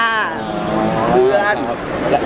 เพื่อน